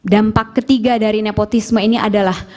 dampak ketiga dari nepotisme ini adalah